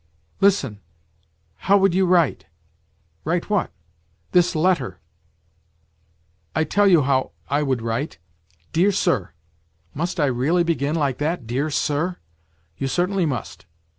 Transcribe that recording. ..."" Listen ; how would you write ?"" Write what ?"" This letter." " I tell you how I would write :' Dear Sir.' ..."" Must I really begin like that, ' Dear Sir '?"" You certainly must